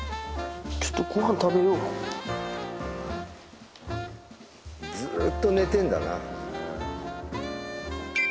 ちょっとごはん食べようかずっと寝てんだなねえ